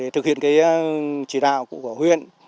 thực hiện chỉ đạo của huyện